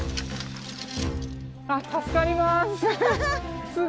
あっ助かります。